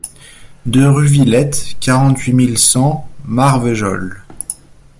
deux rue Villette, quarante-huit mille cent Marvejols